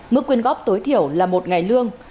mức quyên góp tối thiểu là một ngày lương